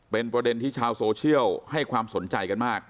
เป็นประเด็นที่ชาวโซเชียลให้ความสนใจกันมาก